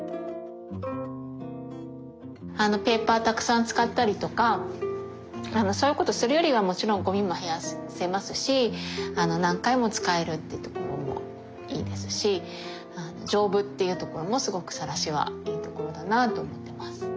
ペーパーたくさん使ったりとかそういうことするよりはもちろんごみも減らせますし何回も使えるっていうところもいいですし丈夫っていうところもすごくさらしはいいところだなと思ってます。